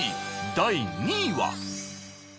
第２位は。